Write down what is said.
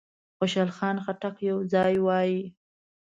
خوشحال خټک یو ځای وایي.